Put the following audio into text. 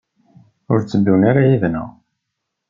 Ur tteddun ara yid-neɣ?